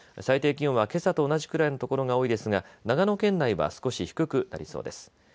最低気温はけさと同じくらいの所が多いですが長野県内は少し低くなりそうです。